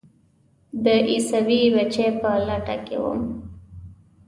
د عیسوي بچي په لټه کې وم.